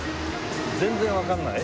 全然わかんない？